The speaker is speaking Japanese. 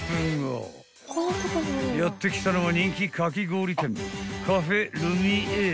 ［やって来たのは人気かき氷店］